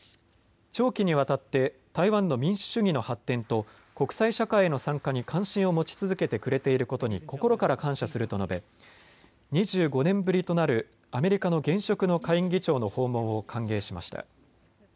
長期にわたって台湾の民主主義の発展と国際社会への参加に関心を持ち続けてくれていることに心から感謝すると述べ、２５年ぶりとなるアメリカの現職の下院議長の訪問を歓迎しました。